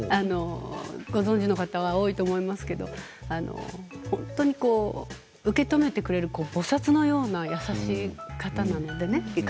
ご存じの方多いと思いますけれど本当に受け止めてくれるぼさつのような優しい方なのでね。